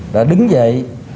đã đứng dậy